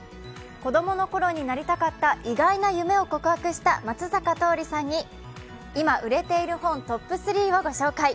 子供のころになりたかった意外な夢を告白した松坂桃李さんに今、売れている本トップ３をご紹介。